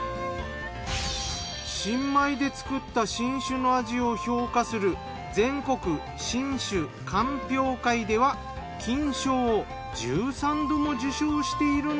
新米で造った新酒の味を評価する全国新酒鑑評会では金賞を１３度も受賞しているんです。